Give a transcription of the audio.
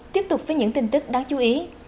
tiếp tục với những tin tức đáng chú ý